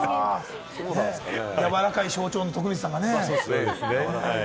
やわらかい象徴の徳光さんがねぇ。